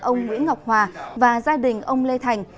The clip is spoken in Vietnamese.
ông nguyễn ngọc hòa và gia đình ông lê thành